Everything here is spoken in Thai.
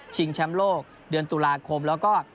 แชมป์โลกเดือนตุลาคมแล้วก็